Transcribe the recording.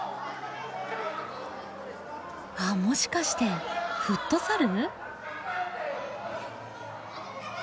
あっもしかしてフットサル？